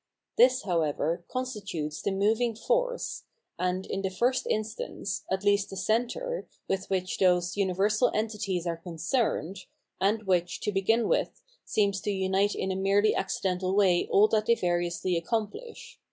This, however, con stitutes the moving force, and, in the first instance, at least the centre, with which those universal entities are concerned, and which, to begin with, seems to unite in a merely accidental way all that they variously accomphsh.